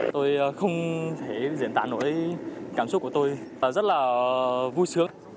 tôi không thể diễn tả nổi cảm xúc của tôi và rất là vui sướng